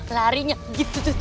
lari nyet gitu tuh